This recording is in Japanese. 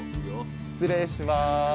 失礼します。